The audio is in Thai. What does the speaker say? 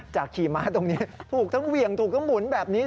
ขี่ม้าตรงนี้ถูกทั้งเหวี่ยงถูกทั้งหมุนแบบนี้